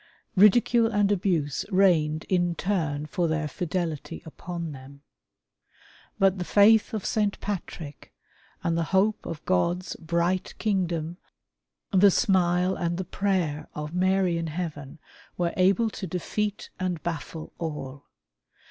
Eidicule and abuse rained in turn for their fidelity upon them. But the Faith 154 WAR OF ANTICHRIST WITH THE CHURCH. of St. Patrick and the hope of God's bright kingdom, the smile and the prayer of Mary in Heaven, were able to defeat and baffle all.